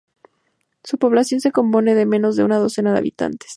Su población se compone de menos de una docena de habitantes.